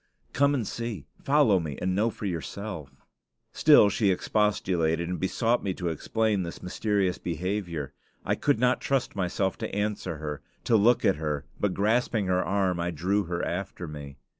"Come and see. Follow me and know for yourself." Still she expostulated and besought me to explain this mysterious behavior. I could not trust myself to answer her, to look at her; but grasping her arm, I drew her after me.